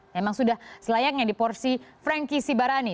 memang sudah selayangnya di porsi franky sibarani